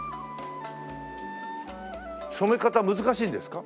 染め方難しいんですか？